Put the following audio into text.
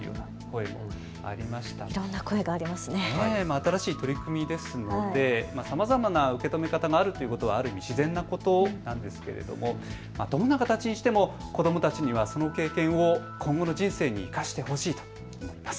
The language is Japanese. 新しい取り組みですのでさまざまな受け止め方もあるということはある意味自然なことなんですがどんな形にしても子どもたちにはその経験を今後の人生に生かしてほしいと思います。